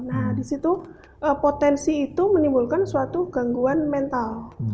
nah disitu potensi itu menimbulkan suatu gangguan mental